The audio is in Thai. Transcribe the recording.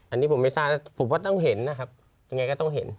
อันนี้ผมไม่ทราบผมว่าต้องเห็นนะครับยังไงก็ต้องเห็น